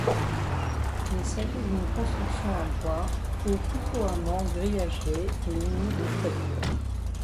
Il s’agit d’une construction en bois ou plus couramment grillagée et munies d’une toiture.